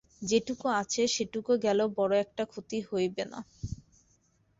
যেটুকু আছে সেটুকু গেলেও বড়ো একটা ক্ষতি হইবে না।